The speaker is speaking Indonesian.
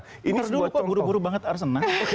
mungkin dulu kok buru buru banget arsenal